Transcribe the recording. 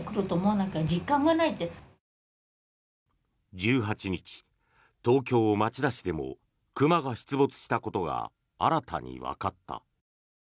１８日、東京・町田市でも熊が出没したことが新たにわかった。